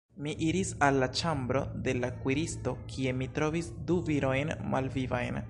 Mi iris al la ĉambro de la kuiristo, kie mi trovis du virojn malvivajn.